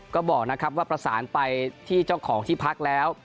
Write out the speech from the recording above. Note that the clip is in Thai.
ก็บอกนะครับว่าประสานไปที่เจ้าของที่พักแล้ว